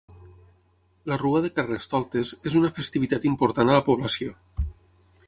La rua de carnestoltes és una festivitat important a la població.